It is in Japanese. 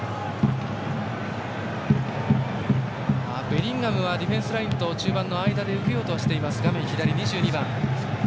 ベリンガムはディフェンスラインと中盤の間で受けようとしています。